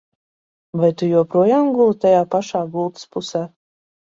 Vai tu joprojām guli tajā pašā gultas pusē?